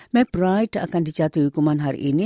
mcbride akan dijatuhi hukuman hari ini